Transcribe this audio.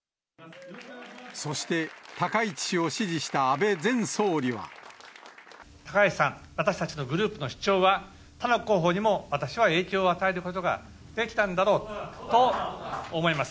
そして、高市さん、私たちのグループの主張は、他の候補にも私は影響を与えることができたんだろうと思います。